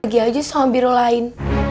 pergi aja sama biro lain